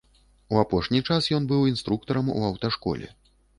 У апошні час ён быў інструктарам у аўташколе.